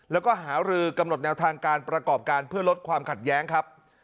แล้วก็หารือกำหนดแนวทางการประกอบการเพื่อลดความขัดแย้งครับ